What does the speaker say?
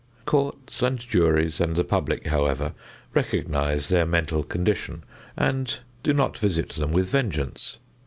Courts and juries and the public, however, recognize their mental condition and do not visit them with vengeance.